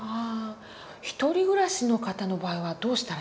独り暮らしの方の場合はどうしたらいいんでしょう。